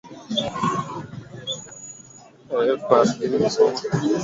frg ulisoma hapa inamaanisha nini